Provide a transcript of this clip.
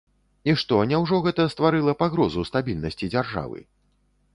І што, няўжо гэта стварыла пагрозу стабільнасці дзяржавы?